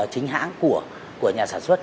chính hãng của nhà sản xuất